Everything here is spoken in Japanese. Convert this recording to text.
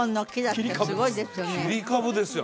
切り株ですよ